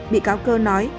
bị cáo cơ nói